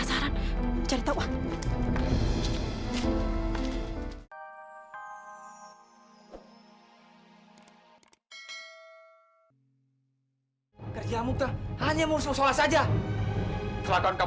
sampai jumpa di video selanjutnya